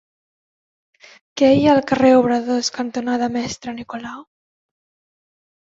Què hi ha al carrer Obradors cantonada Mestre Nicolau?